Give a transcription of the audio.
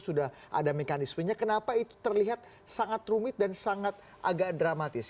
sudah ada mekanismenya kenapa itu terlihat sangat rumit dan sangat agak dramatis